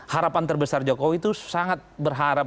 harapan terbesar jokowi itu sangat berharap